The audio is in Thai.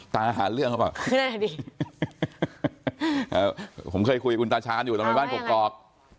ตาหาเรื่องเขาบอกผมเคยคุยกับคุณตาชาญอยู่ในบ้านปกกรอก